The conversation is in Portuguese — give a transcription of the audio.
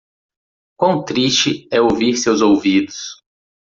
Quão triste é ouvir seus ouvidos.